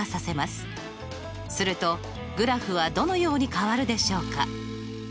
するとグラフはどのように変わるでしょうか。